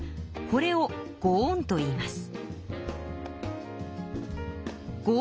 これを奉公といいます。